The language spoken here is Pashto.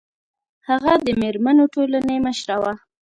هغه د میرمنو ټولنې مشره وه